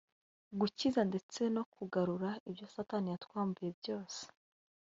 gukiza ndetse no kugarura ibyo satani yatwambuye byose